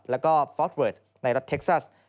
แล้วก็ฟอสเวิร์ดในรัฐเท็กซัส